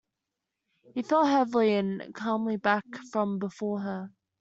He fell heavily and calmly back from before her.